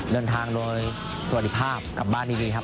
เดินทางโดยสวัสดีภาพกลับบ้านดีครับ